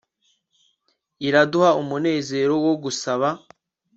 Iraduha umunezero wo gusaba